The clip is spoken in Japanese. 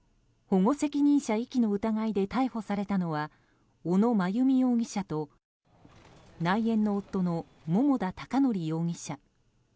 保護責任者遺棄の疑いで逮捕されたのは小野真由美容疑者と内縁の夫の桃田貴徳容疑者。